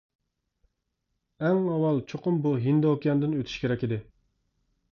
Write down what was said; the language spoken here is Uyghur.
ئەڭ ئاۋۋال چوقۇم بۇ ھىندى ئوكياندىن ئۆتۈش كېرەك ئىدى.